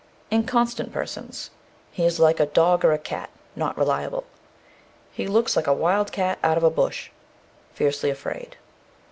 INCONSTANT PERSONS. He is like a dog or a cat. Not reliable. He looks like a wild cat out of a bush. Fiercely afraid.